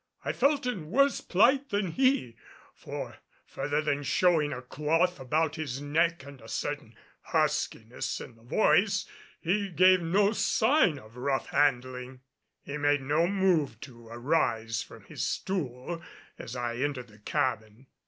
I felt in worse plight than he, for further than showing a cloth about his neck and a certain huskiness in the voice he gave no sign of rough handling. He made no move to arise from his stool as I entered the cabin.